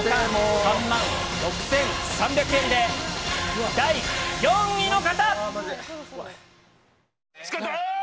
３万６３００円で、第４位の方！